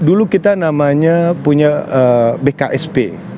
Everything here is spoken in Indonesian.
dulu kita namanya punya bksp